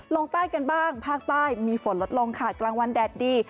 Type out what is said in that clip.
ลงใต้กันบ้างภาคใต้มีฝนลดลงค่ะกลางวันแดดดี